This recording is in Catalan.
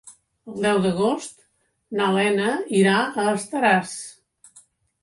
El deu d'agost na Lena irà a Estaràs.